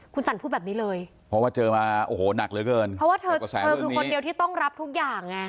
คุณจันพูดแบบนี้เลยเพราะว่าเจอมาโอ้โหหนักเหลือเกินเพราะว่าเธอคือคนเดียวที่ต้องรับทุกอย่างไง